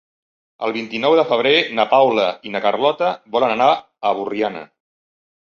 El vint-i-nou de febrer na Paula i na Carlota volen anar a Borriana.